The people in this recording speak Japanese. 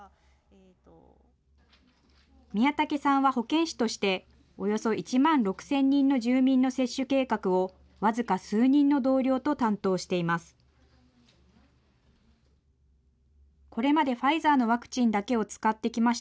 宮武さんは保健師として、およそ１万６０００人の住民の接種計画を、僅か数人の同僚と担当しています。